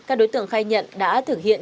các đối tượng khai nhận đã thực hiện